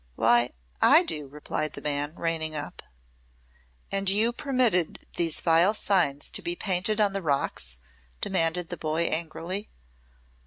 "Why, I do," replied the man, reining up. "And you permitted these vile signs to be painted on the rocks?" demanded the boy angrily.